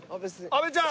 阿部ちゃん！